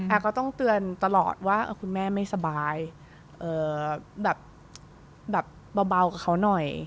ก็ต้องเตือนตลอดว่าคุณแม่ไม่สบายแบบเบากับเขาหน่อย